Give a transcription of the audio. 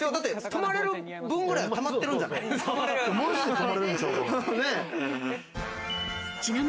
泊まれる分ぐらいたまってるんじゃない？